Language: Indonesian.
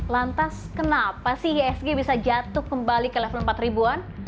lantas kenapa sih isg bisa jatuh kembali ke level empat ribuan